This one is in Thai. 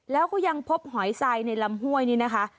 แล้วก็ยังพบหอยทรายในลำห้วยนี่นะคะ